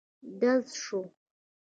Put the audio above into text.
ډز شو.